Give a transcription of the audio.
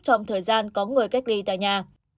trong thời gian có người cách ly tại nhà